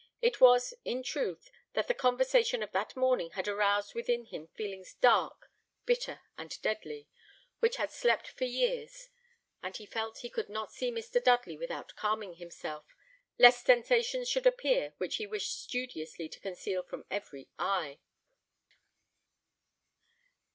It was, in truth, that the conversation of that morning had aroused within him feelings dark, bitter, and deadly, which had slept for years; and he felt he could not see Mr. Dudley without calming himself, lest sensations should appear which he wished studiously to conceal from every eye.